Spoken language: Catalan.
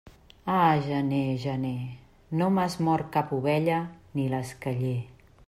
Ah, gener, gener, no m'has mort cap ovella ni l'esqueller.